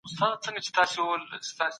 علمي څیړني د نړۍ ستونزي حلوي.